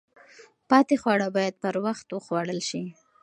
پاتې خواړه باید پر وخت وخوړل شي.